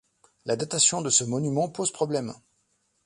La datation de ce monument pose problème.